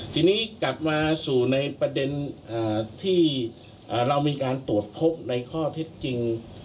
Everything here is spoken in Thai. ทีนี้กลับมาสู่ในประเด็นที่เรามีการตรวจพบในข้อเท็จจริง